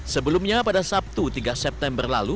sebelumnya pada sabtu tiga september lalu